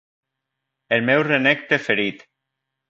El meu renec preferit